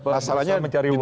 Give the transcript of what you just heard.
masalahnya mencari waktu